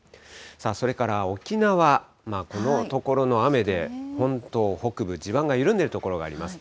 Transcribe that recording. それから沖縄、このところの雨で、本島北部、地盤が緩んでる所があります。